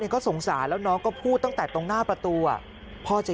ก็สงสารแล้วน้องก็พูดตั้งแต่ตรงหน้าประตูพ่อจะ